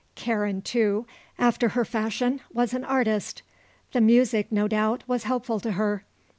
Karen, too, after her fashion, was an artist. The music, no doubt, was helpful to her.